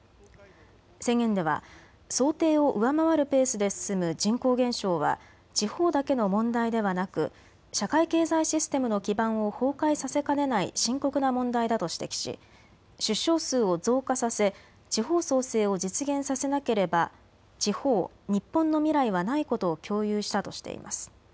宣言では想定を上回るペースで進む人口減少は地方だけの問題ではなく社会経済システムの基盤を崩壊させかねない深刻な問題だと指摘し出生数を増加させ地方創生を実現させなければ地方、日本の未来はないことを共有したとしています。